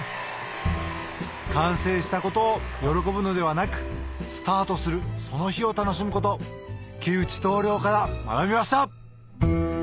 完成したことを喜ぶのではなくスタートするその日を楽しむこと木内棟梁から学びました！